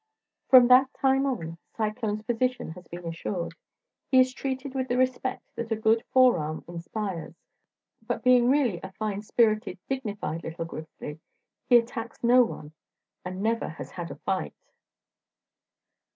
From that time on Cyclone's position has been assured. He is treated with the respect that a good forearm inspires, but being really a fine spirited, dignified little grizzly, he attacks no one, and never has had a fight.